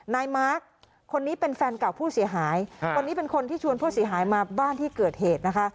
นายมาร์คคนนี้เป็นแฟนเก่าผู้เสียหายคนนี้เป็นคนที่ชวนผู้เสียหายมาบ้านที่เกิดเหตุนะคะ